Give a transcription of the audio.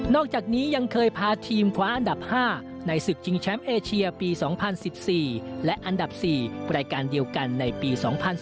อกจากนี้ยังเคยพาทีมคว้าอันดับ๕ในศึกชิงแชมป์เอเชียปี๒๐๑๔และอันดับ๔รายการเดียวกันในปี๒๐๑๘